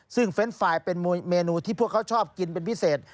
ซึ่งเฟรนด์ไฟล์เป็นเมนูที่พวกเขาชอบกินเป็นพิเศษ